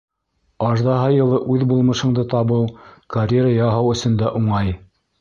Аждаһа йылы үҙ булмышыңды табыу, карьера яһау өсөн дә уңай.